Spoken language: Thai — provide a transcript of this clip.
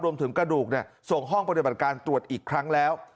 กระดูกส่งห้องปฏิบัติการตรวจอีกครั้งแล้ว